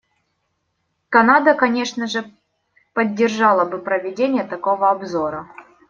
Канада, конечно же, поддержала бы проведение такого обзора.